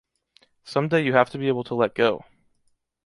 Someday you have to be able to let go.